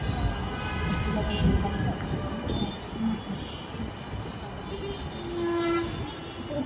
Արգելավայրում սահմանափակվում կամ արգելվում է այդ նպատակին հակասող ցանկացած գործունեություն։